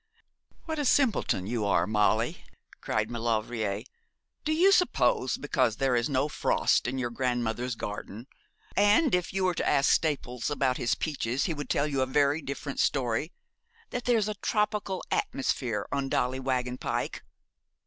'What a simpleton you are, Molly!' cried Maulevrier. 'Do you suppose because there is no frost in your grandmother's garden and if you were to ask Staples about his peaches he would tell you a very different story that there's a tropical atmosphere on Dolly Waggon Pike?